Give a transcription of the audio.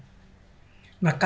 itu pada masyarakat